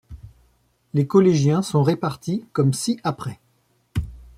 Les collégiens sont répartis comme ci-après.